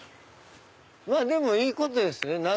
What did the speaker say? でもいいことですよね